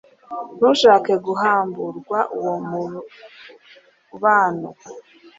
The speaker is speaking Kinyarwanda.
ntushake guhamburwa uwo mubano